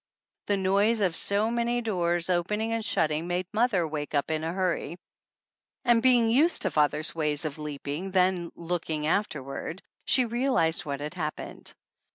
The noise of so many doors opening and shut ting made mother wake up in a hurry, and, be ing used to father's ways of leaping, then look ing afterward, she realized what had happened.